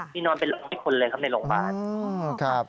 ที่นอนเป็นลงที่คนเลยครับในโรงพยาบาล